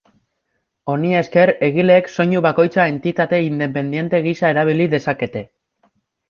Honi esker, egileek soinu bakoitza entitate independente gisa erabili dezakete.